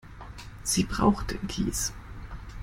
Sie braucht den Kies.